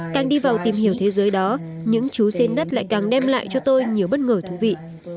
càng đi vào tìm hiểu thế giới đó những chú sen đất lại càng đem lại cho tôi nhiều bất ngờ thú vị